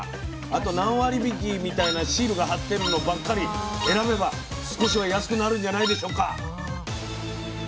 あと何割引きみたいなシールが貼ってるのばっかり選べば少しは安くなるんじゃないでしょうか。